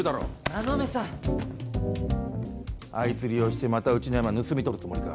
馬目さんあいつ利用してまたうちのヤマ盗み取るつもりか？